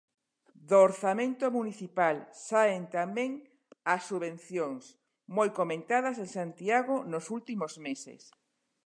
Do orzamento municipal saen tamén as subvencións, moi comentadas en Santiago nos últimos meses.